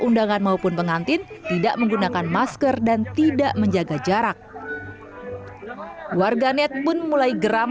undangan maupun pengantin tidak menggunakan masker dan tidak menjaga jarak warganet pun mulai geram